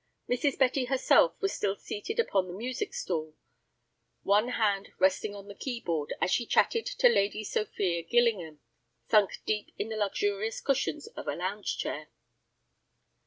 Mrs. Betty herself was still seated upon the music stool, one hand resting on the key board as she chatted to Lady Sophia Gillingham, sunk deep in the luxurious cushions of a lounge chair.